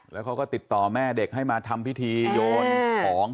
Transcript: แล้วเขาก็ติดต่อแม่เด็กให้มาทำพิธีโยนของ